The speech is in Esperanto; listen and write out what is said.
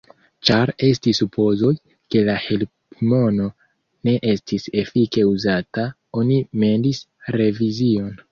Ĉar estis supozoj, ke la helpmono ne estis efike uzata, oni mendis revizion.